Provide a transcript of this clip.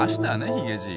ヒゲじい。